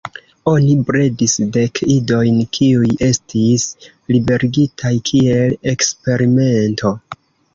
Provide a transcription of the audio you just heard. Oni bredis dek idojn kiuj estis liberigitaj kiel eksperimento.